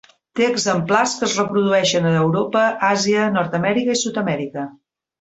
Té exemplars que es reprodueixen a Europa, Àsia, Nord-amèrica i Sud-amèrica.